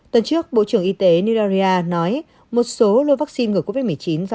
tuần trước bộ trưởng y tế nigeria nói một số lô vaccine ngừa covid một mươi chín